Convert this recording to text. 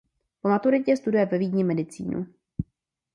Po maturitě studuje ve Vídni medicínu.